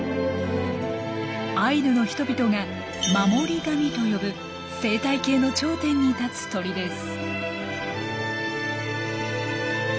アイヌの人々が「守り神」と呼ぶ生態系の頂点に立つ鳥です。